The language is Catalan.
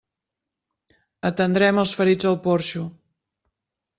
Atendrem els ferits al porxo.